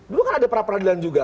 dulu kan ada pra peradilan juga